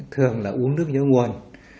thường là uống nước nhớ nguồn